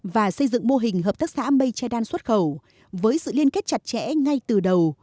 và xây dựng mô hình hợp tác xã mây trai đan xuất khẩu với sự liên kết chặt chẽ ngay từ đầu